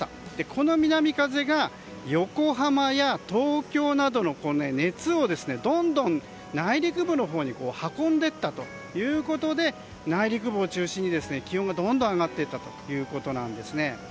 この南風が、横浜や東京などの熱を、どんどんと内陸部のほうに運んでいったということで内陸部を中心に気温がどんどん上がっていったということです。